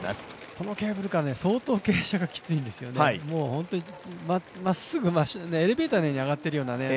このケーブルカー、相当傾斜がきついんです、まっすぐエレベーターのように上がってます。